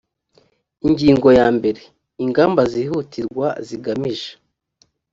ingingo yambere ingamba zihutirwa zigamije